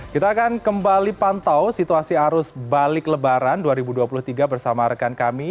kita akan kembali pantau situasi arus balik lebaran dua ribu dua puluh tiga bersama rekan kami